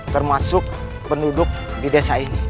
termasuk penduduk di desa ini